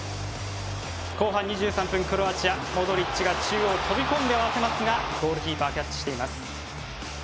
後半２３分、クロアチアモドリッチが中央に飛び込んで合わせますがゴールキーパーキャッチしています。